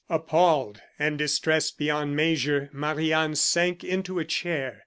Appalled and distressed beyond measure, Marie Anne sank into a chair.